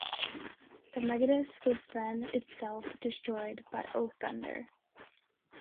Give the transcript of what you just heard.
The megadeus was then itself destroyed by O Thunder.